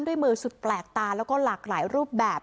ด้วยมือสุดแปลกตาแล้วก็หลากหลายรูปแบบ